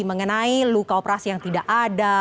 mengenai luka operasi yang tidak ada